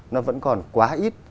nó vẫn còn quá ít